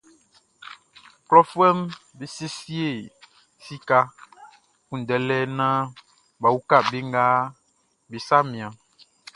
Klɔfuɛʼm be siesie sika kunndɛlɛ naan bʼa uka be nga be sa mianʼn.